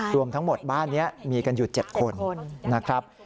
รวมทั้งหมดบ้านนี้มีกันอยู่๗คนนะครับ